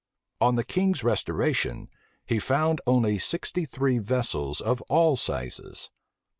On the king's restoration, he found only sixty three vessels of all sizes.